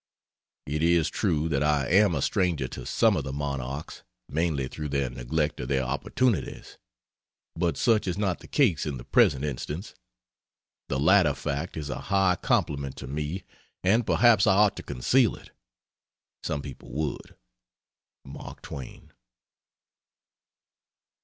It is true that I am a stranger to some of the monarchs mainly through their neglect of their opportunities but such is not the case in the present instance. The latter fact is a high compliment to me, and perhaps I ought to conceal it. Some people would. MARK TWAIN.